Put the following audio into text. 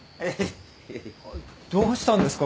どうしたんですか？